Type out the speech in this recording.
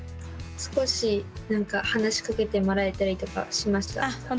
少し話しかけてもらえたりとかしました。